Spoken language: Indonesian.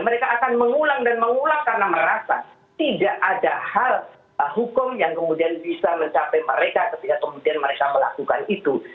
mereka akan mengulang dan mengulas karena merasa tidak ada hal hukum yang kemudian bisa mencapai mereka ketika kemudian mereka melakukan itu